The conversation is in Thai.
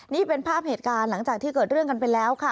นี่เป็นภาพเหตุการณ์หลังจากที่เกิดเรื่องกันไปแล้วค่ะ